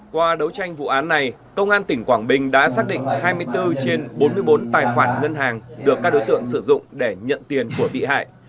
qua đấu tranh vụ án này công an tỉnh quảng bình đã xác định hai mươi bốn trên bốn mươi bốn tài khoản ngân hàng được các đối tượng sử dụng để nhận tiền của bị hại